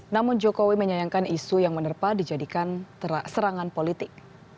namun jokowi menyayangkan isu yang menerpa dijadikan serangan politik